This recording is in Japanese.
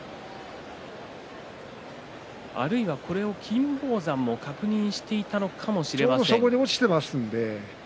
あるいは、これを金峰山も確認していたのかもしれませんね。